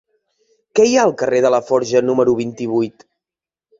Què hi ha al carrer de Laforja número vint-i-vuit?